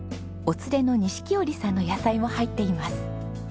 お連れの錦織さんの野菜も入っています。